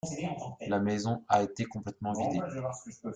La maison a été complètement vidée.